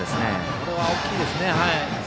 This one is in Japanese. これは大きいですね。